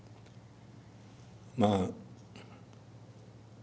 まあ。